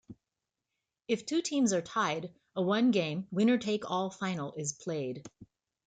If two teams are tied, a one-game winner-take-all final is played.